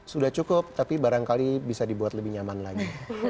sudah cukup tapi barangkali bisa dibuat lebih nyaman lagi